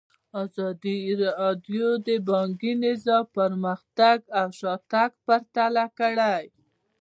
ازادي راډیو د بانکي نظام پرمختګ او شاتګ پرتله کړی.